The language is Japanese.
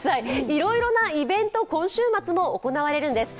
いろいろなイベント、今週末も行われるんです。